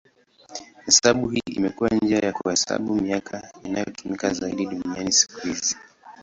Hesabu hii imekuwa njia ya kuhesabu miaka inayotumika zaidi duniani siku hizi.